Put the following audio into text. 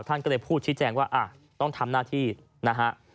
ท่านก็เลยพูดชี้แจงว่าต้องทำหน้าที่นะฮะ